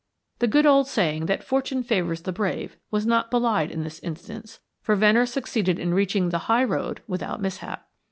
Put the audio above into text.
The good old saying that fortune favors the brave was not belied in this instance, for Venner succeeded in reaching the high road without mishap.